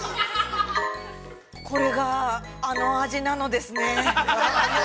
これが、あの味なのですね。